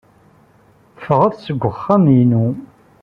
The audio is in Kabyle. Ffɣet seg wexxam-inu!